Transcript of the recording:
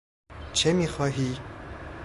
چه میخواهی؟